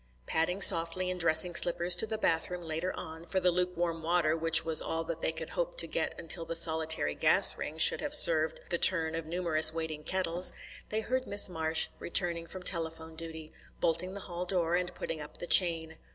Padding softly in dressing slippers to the bathroom later on, for the lukewarm water which was all that they could hope to get until the solitary gas ring should have served the turn of numerous waiting kettles, they heard Miss Marsh returning from telephone duty, bolting the hall door, and putting up the chain.